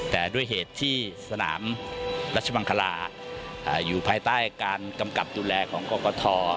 แต่ด้วยเหตุที่สนามรัชมังคลาอยู่ภายใต้การกำกับดูแลของกรกฐ